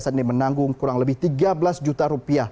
sandi menanggung kurang lebih tiga belas juta rupiah